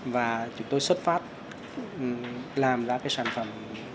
và chúng tôi xuất phát làm ra cái sản phẩm